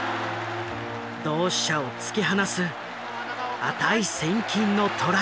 同志社を突き放す値千金のトライ。